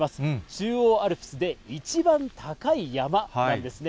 中央アルプスで一番高い山なんですね。